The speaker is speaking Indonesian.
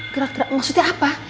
gerak gerak maksudnya apa